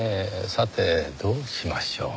さてどうしましょう。